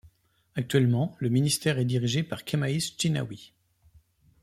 Actuellement, le ministère est dirigé par Khemaies Jhinaoui.